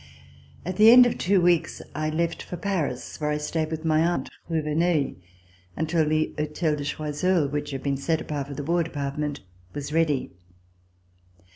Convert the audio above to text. AT the end of two weeks I left for Paris where I stayed with my aunt, Rue de Verneuil, until the Hotel de Choiseul, which had been set apart for the War Department, was ready.